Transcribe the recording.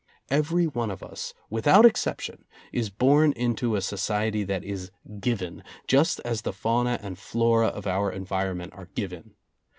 Every one of us, without exception, is born into a society that is given, just as the fauna and flora of our environment are given.